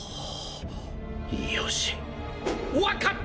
よし分かった！